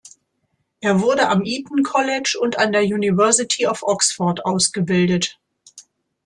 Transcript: Er wurde am Eton College und an der University of Oxford ausgebildet.